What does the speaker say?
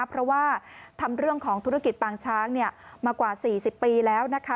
เพราะว่าทำเรื่องของธุรกิจปางช้างมากว่า๔๐ปีแล้วนะคะ